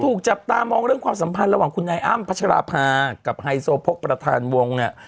ถูกจับตามองเรื่องความสัมพันธ์ระหว่างคุณนายอ้ำพัชราภากับไฮโซโพกประธานวงเนี่ย